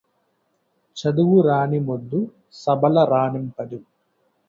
చదువురాని మొద్దు సభల రాణింపదు